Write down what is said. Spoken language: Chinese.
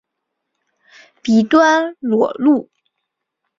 鼻端裸露。